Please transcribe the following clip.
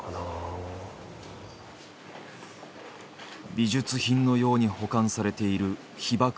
美術品のように保管されている被爆遺品。